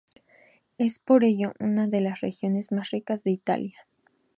Es por ello una de las regiones más ricas de Italia.